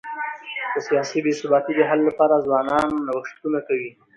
د سیاسي بي ثباتی د حل لپاره ځوانان نوښتونه کوي.